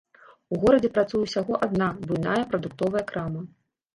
У горадзе працуе ўсяго адна буйная прадуктовая крама.